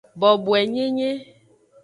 Boboenyenye.